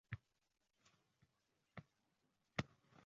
Xuddi shunday erta bahorda